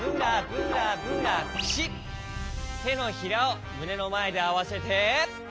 てのひらをむねのまえであわせて。